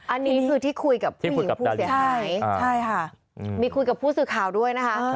อันนี้คือที่คุยกับผู้หญิงผู้เสียหายใช่ค่ะมีคุยกับผู้สื่อข่าวด้วยนะคะ